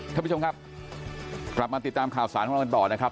ทุกคนค่ะกลับมาติดตามข่าวสารของเราต่อนะครับ